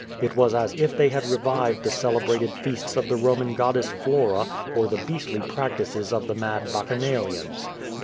It was as if they had revived the celebrated feasts of the Roman goddess Flora, or the beastly practices of the mad Bac chanalians.